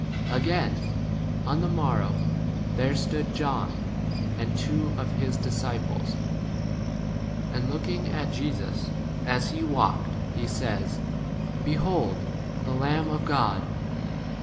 35 Again, on the morrow, there stood John and two of his disci 30 pies. And, looking at Jesus as he walked, he says, Behold the Lamb 37 of God.